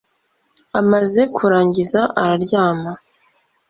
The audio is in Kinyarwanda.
Amaze kurangiza araryama